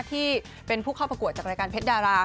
ที่เป็นผู้เข้าประกวดจากรายการเพชรดารา